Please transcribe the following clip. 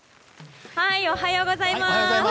おはようございます。